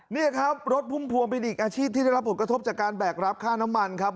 นี่ครับรถพุ่มพวงเป็นอีกอาชีพที่ได้รับผลกระทบจากการแบกรับค่าน้ำมันครับ